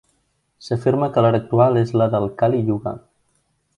S'afirma que l'hora actual és la del "kali yuga".